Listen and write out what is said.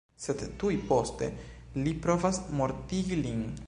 Sed tuj poste li provas mortigi lin.